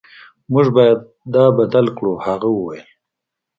موږ باید دا بدل کړو هغه وویل